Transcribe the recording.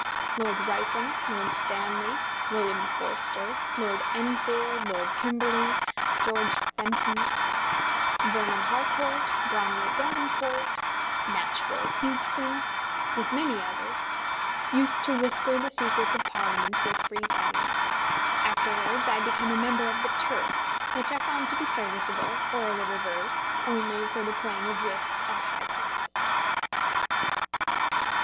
Lord Ripon, Lord Stanley, William Forster, Lord Enfield, Lord Kimberley, George Bentinck, Vernon Harcourt, Bromley Davenport, Knatchbull Huguessen, with many others, used to whisper the secrets of Parliament with free tongues. Afterwards I became a member of the Turf, which I found to be serviceable or the reverse only for the playing of whist at high points.